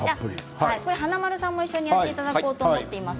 華丸さんも一緒にやっていただこうと思っています。